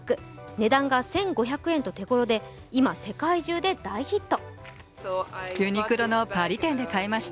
値段が１５００円と手ごろで今、世界中で大ヒット。